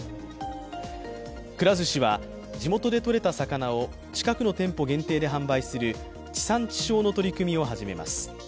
くら寿司は地元で取れた魚を近くの店舗限定で販売する地産地消の取り組みを始めます。